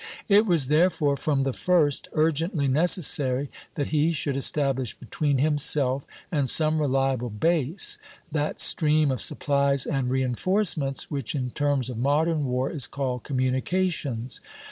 It was therefore from the first urgently necessary that he should establish, between himself and some reliable base, that stream of supplies and reinforcements which in terms of modern war is called "communications."